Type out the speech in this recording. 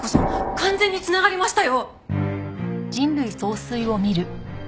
完全に繋がりましたよ！